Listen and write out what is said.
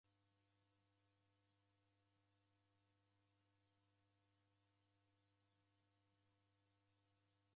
Mitambo efwana ikaie na modo ghukate ghusedumbulwagha.